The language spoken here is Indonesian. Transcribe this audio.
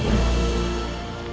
aku akan tetap mencari diri